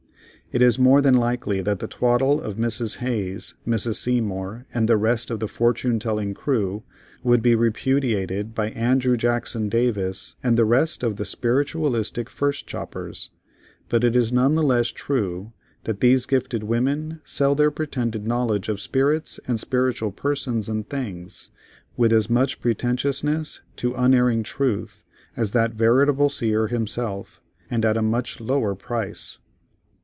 It is more than likely that the twaddle of Mrs. Hayes, Mrs. Seymour, and the rest of the fortune telling crew, would be repudiated by Andrew Jackson Davis and the rest of the spiritualistic firstchoppers, but it is none the less true that these gifted women sell their pretended knowledge of spirits and spiritual persons and things, with as much pretentiousness to unerring truth, as that veritable seer himself, and at a much lower price.